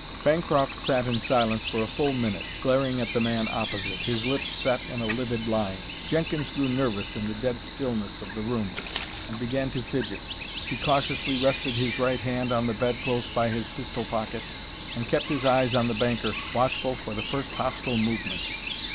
Bancroft sat in silence for a full minute, glaring at the man opposite, his lips set in a livid line. Jenkins grew nervous in the dead stillness of the room, and began to fidget. He cautiously rested his right hand on the bed close by his pistol pocket, and kept his eyes on the banker, watchful for the first hostile movement.